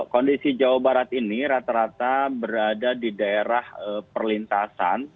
kondisi jawa barat ini rata rata berada di daerah perlintasan